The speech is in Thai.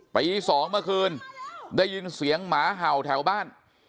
ปี๒เมื่อคืนได้ยินเสียงหมาเห่าแถวบ้าน